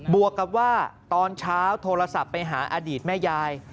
วกกับว่าตอนเช้าโทรศัพท์ไปหาอดีตแม่ยาย